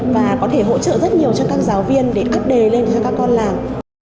và có thể hỗ trợ rất nhiều cho các giáo viên để ấp đề lên cho các con làm